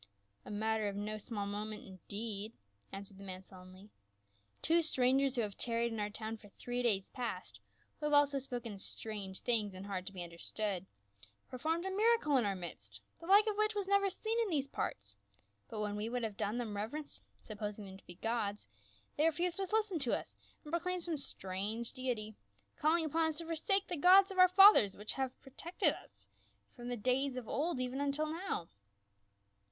"A matter of no small moment indeed !" answered the man sullenly. "Two strangers who have tarried in our town for three days past — who have also spoken strange things and hard to be understood — performed a miracle in our midst, the like of which was never seen in these parts, but wlicn we would have done them reverence — supposing them to be gods, they refused to listen to us, and proclaimed some strange deity, calling upon us to forsake the gods of our fathers, which have protected us from the days of old even imtil now."